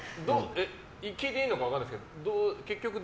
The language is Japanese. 聞いていいのか分からないですけど